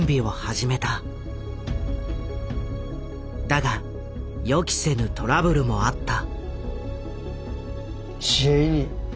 だが予期せぬトラブルもあった。